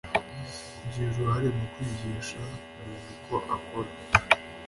kugira uruhare mu kwigisha muntu uko akora